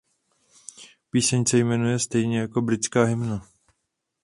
Píseň se jmenuje stejně jako britská hymna.